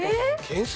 懸垂